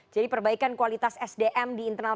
jadi perbaikan kualitas sdm di internal